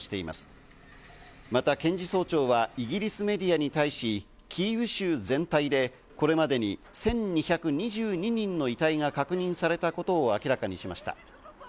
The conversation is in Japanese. また、検事総長はイギリスメディアに対し、キーウ州全体でこれまでに１２２２人の遺体が確認されたことを明らかにしました。